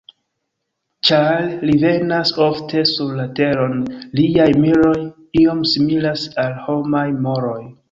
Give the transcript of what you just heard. Ĉar li venas ofte sur la Teron, liaj moroj iom similas al homaj moroj.